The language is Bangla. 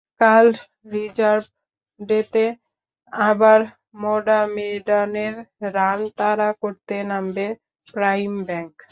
কাল রিজার্ভ ডেতে আবার মোহামেডানের রান তাড়া করতে নামবে প্রাইম ব্যাংক।